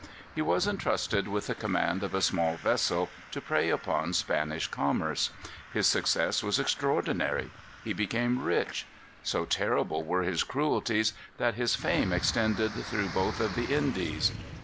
He was intrusted with the command of a small vessel, to prey upon Spanish commerce. His success was extraordinary. He became rich. So terrible were his cruelties, that his fame extended through both of the Indies.